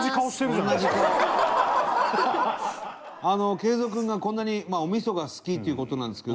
敬蔵君がこんなにお味噌が好きという事なんですけど。